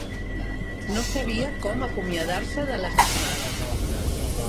No sabia com acomiadar-se de l'estimada.